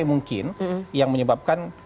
mungkin yang menyebabkan